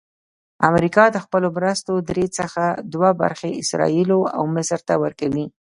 امریکا د خپلو مرستو درې څخه دوه برخې اسراییلو او مصر ته ورکوي.